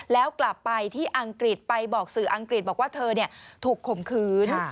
แล้วกลับไปที่อังกฤษไปบอกสื่ออังกฤษบอกว่าเธอถูกข่มขืน